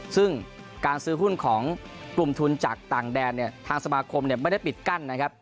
ซึ่งการซื้อหุ้นของกลุ่มทุนจากต่างแดนเนี่ยทางสมาคมไม่ได้ปิดกั้นนะครับ